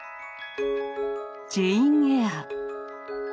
「ジェイン・エア」。